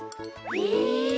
へえ！